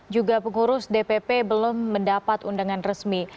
juga pengurus dpp belum mendapat undangan resmi